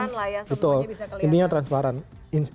jadi transparan lah ya semuanya bisa kelihatan